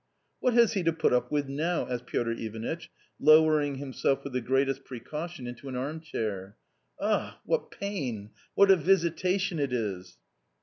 " What has he to put up with now ?" asked Piotr Ivanitch, lowering himself with the greatest precaution into an arm chair. " Ugh ! what pain ! what a visitation it is